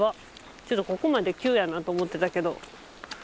ちょっとここまで急やなと思ってたけど更に。